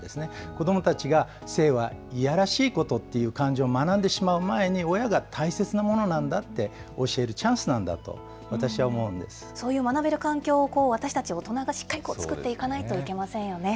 子どもたちが性はいやらしいことという感情を学んでしまう前に、親が大切なものなんだって教えるチャンスなんだと、私は思うんでそういう学べる環境を、私たち大人がしっかり作っていかないといけませんよね。